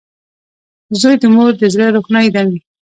• زوی د مور د زړۀ روښنایي وي.